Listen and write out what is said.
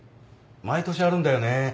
毎年あるんだよね。